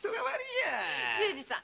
忠次さん